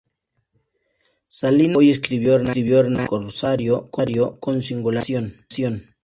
Salinas dibujo y escribió Hernán el Corsario, con singular dedicación.